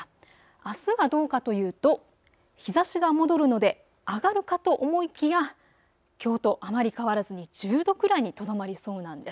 あすはどうかというと日ざしが戻るので上がるかと思いきや、きょうとあまり変わらず１０度くらいにとどまりそうなんです。